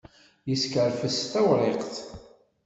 Teskerfeṣ tawriqt.